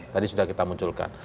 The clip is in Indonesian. tadi sudah kita munculkan